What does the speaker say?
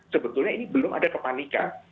sebetulnya ini belum ada kepanikan